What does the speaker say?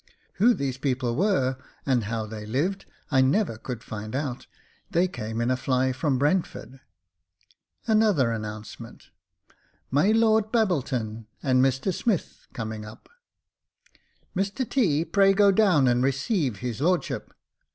Who these people were, and how they lived, I never could find out : they came in a fly from Brentford. Another announcement. " My Lord Babbleton and Mr Smith coming up." " Mr T., pray go down and receive his lordship."